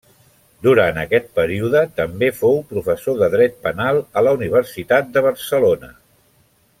Durant aquest període també fou professor de dret penal a la Universitat de Barcelona.